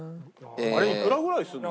あれいくらぐらいするの？